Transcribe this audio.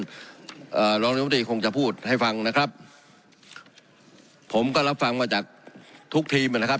เอ่อรองน้ำมนตรีคงจะพูดให้ฟังนะครับผมก็รับฟังมาจากทุกทีมนะครับ